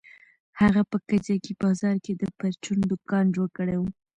هغه په کجکي بازار کښې د پرچون دوکان جوړ کړى و.